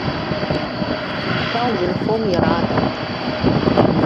Шьҭа узынхом иарада.